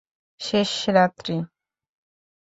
শেষ রাত্রি-